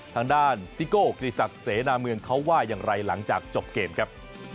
ทางด้านซิโก้กิริสักเสนาเมืองเขาว่าอย่างไรหลังจากจบเกมครับ